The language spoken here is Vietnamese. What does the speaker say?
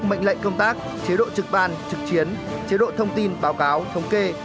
mệnh lệnh công tác chế độ trực ban trực chiến chế độ thông tin báo cáo thống kê